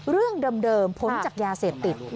เรื่องเดิมพ้นจากยาเสพติด